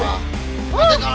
wah ini kalau ditanya